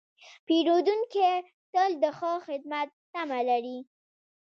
پیرودونکی تل د ښه خدمت تمه لري.